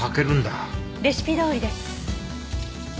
レシピどおりです。